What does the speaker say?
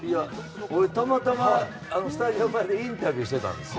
たまたまスタジアム前でインタビューしていたんですよ